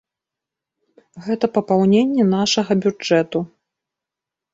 Гэта папаўненне нашага бюджэту.